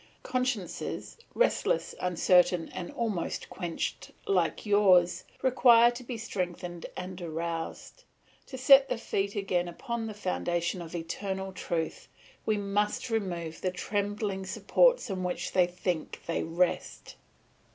Consciences, restless, uncertain, and almost quenched like yours, require to be strengthened and aroused; to set the feet again upon the foundation of eternal truth, we must remove the trembling supports on which they think they rest.